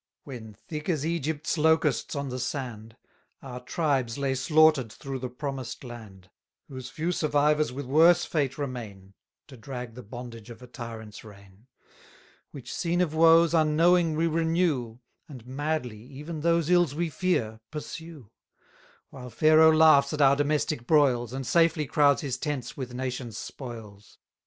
710 When thick as Egypt's locusts on the sand, Our tribes lay slaughter'd through the promised land, Whose few survivors with worse fate remain, To drag the bondage of a tyrant's reign: Which scene of woes, unknowing we renew, And madly, even those ills we fear, pursue; While Pharaoh laughs at our domestic broils, And safely crowds his tents with nations' spoils.